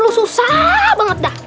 lu susah banget dah